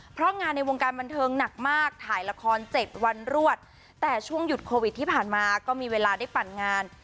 เพราะงานในวงการบันเทิงหนักมากถ่ายละครเจ็ดวันรวดแต่ช่วงหยุดโควิดที่ผ่านมาก็มีเวลาได้ปั่นงาน